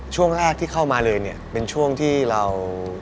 ช่วงแรกที่เข้ามาเลยเนี่ยเป็นช่วงที่เรา